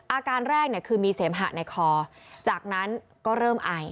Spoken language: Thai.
อาการแรกคือมีเสมหะในคอจากนั้นก็เริ่มไอ